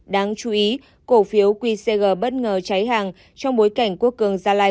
đáng chú ý cổ phiếu qcg bất ngờ cháy hàng trong bối cảnh quốc cường gia lai